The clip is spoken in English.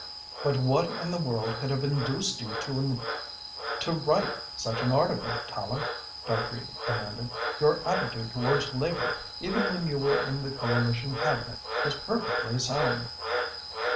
"But what in the world could have induced you to write such an article, Tallente?" Dartrey demanded. "Your attitude towards Labour, even when you were in the Coalition Cabinet, was perfectly sound."